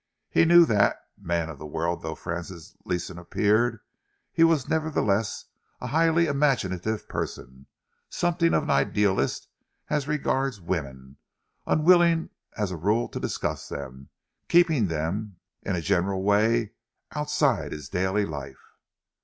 He knew that, man of the world though Francis Ledsam appeared, he was nevertheless a highly imaginative person, something of an idealist as regards women, unwilling as a rule to discuss them, keeping them, in a general way, outside his daily life.